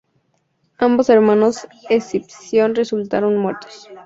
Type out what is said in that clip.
Ambos hermanos Escipión resultaron muertos.